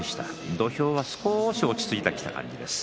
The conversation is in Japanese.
土俵も少し落ち着いてきた感じです。